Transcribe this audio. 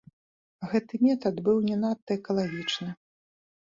Гэты метад быў не надта экалагічным.